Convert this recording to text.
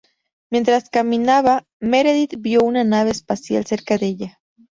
Mientras caminaba, Meredith vio una nave espacial cerca de ella.